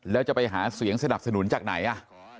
แล้วจะไปหาเสียงสนับสนุนจากไหน